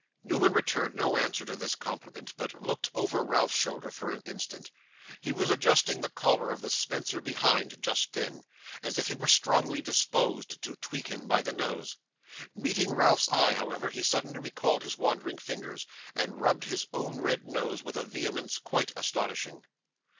Newman returned no answer to this compliment, but looked over Ralph's shoulder for an instant, (he was adjusting the collar of the spencer behind, just then,) as if he were strongly disposed to tweak him by the nose. Meeting Ralph's eye, however, he suddenly recalled his wandering fingers, and rubbed his own red nose with a vehemence quite astonishing.